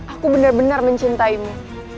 aku benar benar mencintaimu